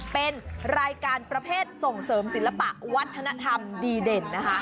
เป็นรายการประเภทส่งเสริมศิลปะวัฒนธรรมดีเด่นนะคะ